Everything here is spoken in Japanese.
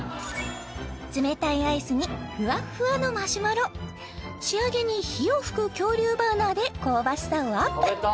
冷たいアイスにふわっふわのマシュマロ仕上げに火を噴く恐竜バーナーで香ばしさをアップ